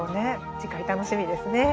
次回楽しみですね。